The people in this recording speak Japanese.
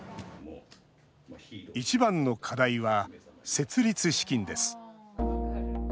一番の課題は設立資金です。